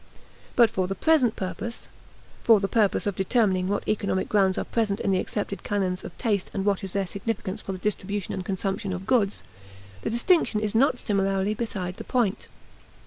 But for the present purpose for the purpose of determining what economic grounds are present in the accepted canons of taste and what is their significance for the distribution and consumption of goods the distinction is not similarly beside the point.